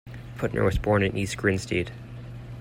Putner was born in East Grinstead.